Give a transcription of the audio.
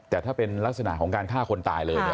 แต่ถ้าเป็นลักษณะของการฆ่าคนตายเลยเนี่ย